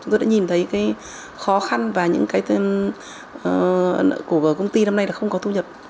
tôi đã nhìn thấy cái khó khăn và những cái nợ của công ty năm nay là không có thu nhập